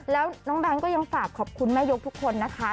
แล้วน้องแบงค์ก็ยังฝากขอบคุณแม่ยกทุกคนนะคะ